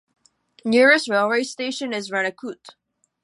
Nearest railway station is Renukoot.